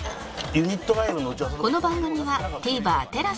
この番組は ＴＶｅｒＴＥＬＡＳＡ で配信